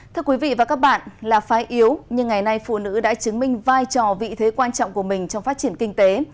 thưa quý vị và các bạn là phái yếu nhưng ngày nay phụ nữ đã chứng minh vai trò vị thế quan trọng của mình trong phát triển kinh tế